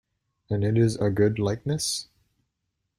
And it is a good likeness?